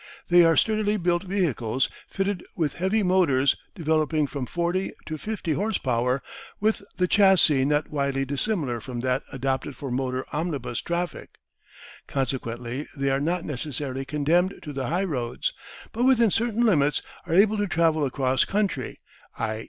They are sturdily built vehicles fitted with heavy motors, developing from 40 to 50 horse power, with the chassis not widely dissimilar from that adopted for motor omnibus traffic. Consequently, they are not necessarily condemned to the high roads, but within certain limits are able to travel across country, i.